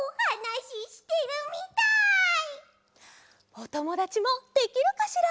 おともだちもできるかしら？